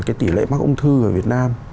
cái tỷ lệ mắc ung thư ở việt nam